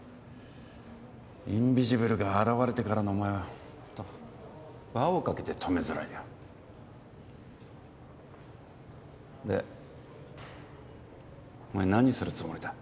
インビジブルが現れてからのお前はホント輪をかけて止めづらいよでお前何するつもりだ？